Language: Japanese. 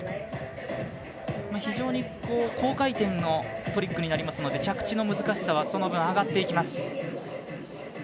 非常に高回転のトリックになりますので着地の難しさはその分、上がっていきます。